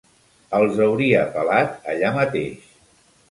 Els hauria pelat allà mateix.